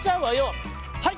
「はい！